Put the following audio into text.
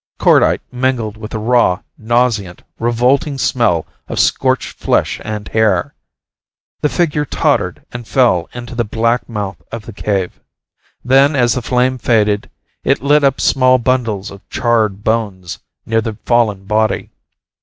Cordite mingled with the raw, nauseant, revolting smell of scorched flesh and hair. The figure tottered and fell into the black mouth of the cave. Then, as the flame faded, it lit up small bundles of charred bones near the fallen body.